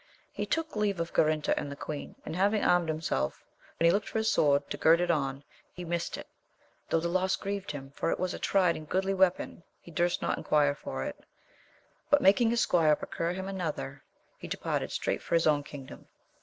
He took leave of Garinter and the queen, and having armed himself, when he looked for his sword to gird it on, he missed it j though the loss grieved him, for it was a tried and goodly weapon, he durst not enquire for it, but, making his squire procure him another, he de parted straight for his own kingdom.